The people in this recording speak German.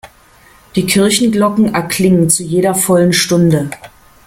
Die Kirchenglocken erklingen zu jeder vollen Stunde.